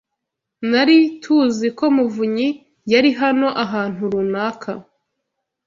Nari TUZI ko muvunyi yari hano ahantu runaka.